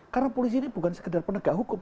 karena polisi ini bukan sekedar penegak hukum